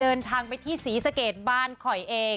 เดินทางไปที่ศรีสะเกดบ้านคอยเอง